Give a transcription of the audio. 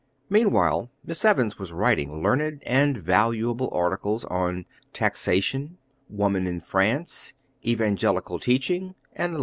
Meantime Miss Evans was writing learned and valuable articles on Taxation, Woman in France, Evangelical Teaching, etc.